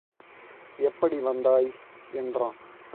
எப்படி வந்தாய்? என்றான்.